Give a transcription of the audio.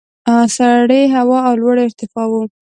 سړې هوا او لوړې ارتفاع وو.